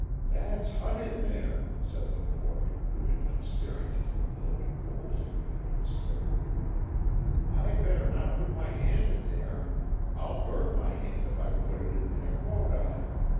"That's hot in there," said the boy, who had been staring into the glowing coals of the opened stove. "I better not put my hand in there. I'll burn my hand if I put it in there, won't I?"